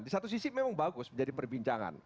di satu sisi memang bagus menjadi perbincangan